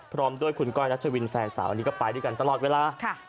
พร้อมด้วยคุณก้อยรัชวินแฟนสาวอันนี้ก็ไปด้วยกันตลอดเวลา